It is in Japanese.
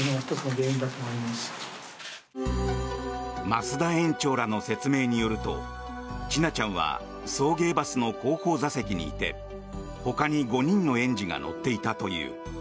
増田園長らの説明によると千奈ちゃんは送迎バスの後方座席にいてほかに５人の園児が乗っていたという。